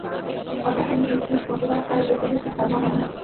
কতকগুলি বিশ্বাস, মতবাদ আর উপদেশে ধর্ম হয় না।